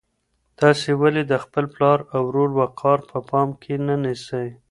تاسو ولې د خپل پلار او ورور وقار په پام کې نه نیسئ؟